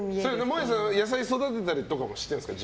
もえさん、野菜を育てたりとかもしてるんですか？